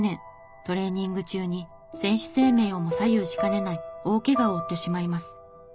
トレーニング中に選手生命をも左右しかねない大ケガを負ってしまいます。